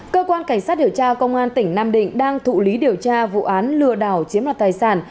cơ quan cảnh sát điều tra công an tỉnh nam định đang thụ lý điều tra vụ án lừa đảo chiếm đoạt tài sản